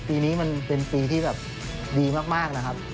ปีนี้มันเป็นปีที่แบบดีมากนะครับ